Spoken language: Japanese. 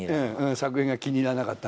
斜めが気に入らなかった？